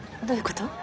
どういうこと？